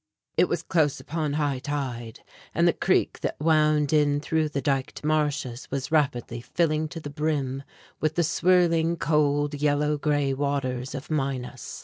It was close upon high tide, and the creek that wound in through the diked marshes was rapidly filling to the brim with the swirling, cold, yellow gray waters of Minas.